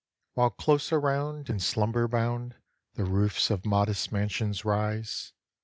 While close around, in slumber bound, The roofs of modest mansions rise.